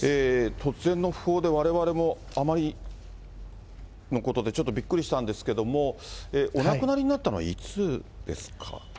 突然の訃報でわれわれもあまりのことで、ちょっとびっくりしたんですけども、お亡くなりになったのはいつですか。